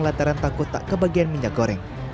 lantaran takut tak kebagian minyak goreng